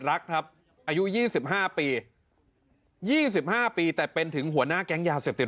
รักครับอายุยี่สิบห้าปียี่สิบห้าปีแต่เป็นถึงหัวหน้าแก๊งยาเสพติด